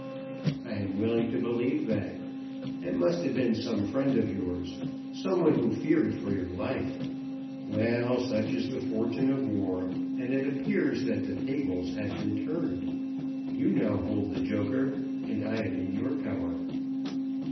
"I am willing to believe that. It must have been some friend of yours, some one who feared for your life. Well, such is the fortune of war, and it appears that the tables have been turned. You now hold the joker, and I am in your power."